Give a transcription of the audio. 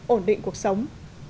ổn định cuộc sống